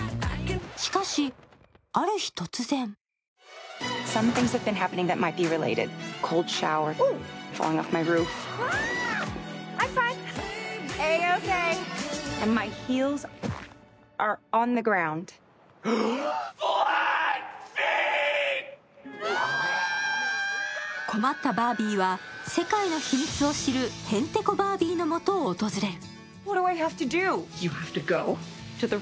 しかし、ある日突然困ったバービーは世界の秘密を知る変てこバービーのもとを訪れる。